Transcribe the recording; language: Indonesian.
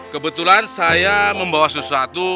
kebetulan saya membawa sesuatu